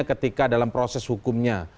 ketika dalam proses hukumnya